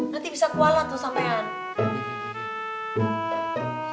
nanti bisa kuala tuh sampean